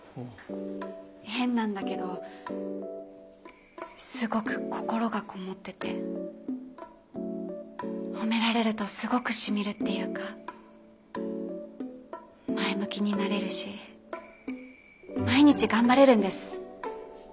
変なんだけどすごく心がこもってて褒められるとすごくしみるっていうか前向きになれるし毎日頑張れるんです。